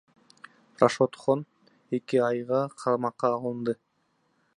Рашодхон эки айга камакка алынды.